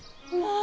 あ！